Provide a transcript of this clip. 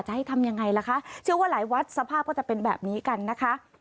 ให้ทำยังไงล่ะคะเชื่อว่าหลายวัดสภาพก็จะเป็นแบบนี้กันนะคะ